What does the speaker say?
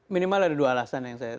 minimal ada dua alasan yang saya